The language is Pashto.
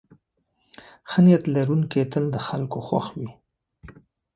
ښه نیت لرونکی تل د خلکو خوښ وي.